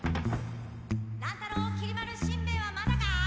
乱太郎きり丸しんべヱはまだか？